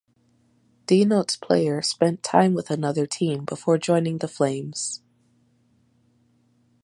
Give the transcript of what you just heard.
Denotes player spent time with another team before joining the Flames.